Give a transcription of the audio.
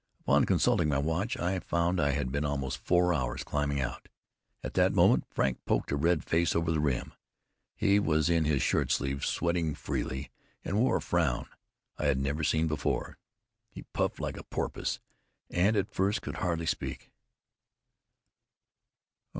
Upon consulting my watch, I found I had been almost four hours climbing out. At that moment, Frank poked a red face over the rim. He was in shirt sleeves, sweating freely, and wore a frown I had never seen before. He puffed like a porpoise, and at first could hardly speak.